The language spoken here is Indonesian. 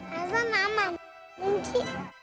masa mama kelinci